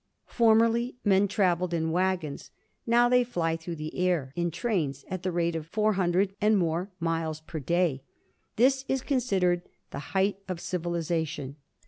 Formerly, men travelled in waggons; now they fly through the air, in trains at the rate of four hundred and more miles per day. This is considered the height of civilization.